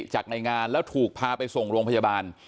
จากในงานแล้วถูกพาไปส่งโรงพยาบาล